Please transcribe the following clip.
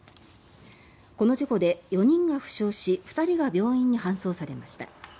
この事故で４人が負傷し２人が病院に搬送されました。